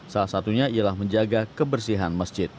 salah satunya ialah menjaga kebersihan masjid